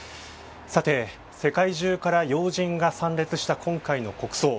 さて、世界中から要人が参列した今回の国葬。